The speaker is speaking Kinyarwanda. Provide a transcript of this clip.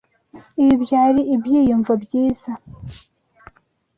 Ibi byari ibyiyumvo byiza.